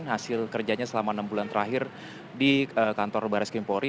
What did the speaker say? hasil kerjanya selama enam bulan terakhir di kantor bares krim polri